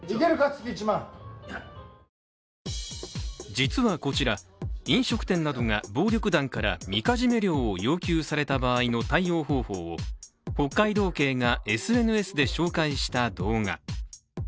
実はこちら、飲食店などが暴力団からみかじめ料を要求された場合の対応方法を北海道警がＳＮＳで紹介した動画。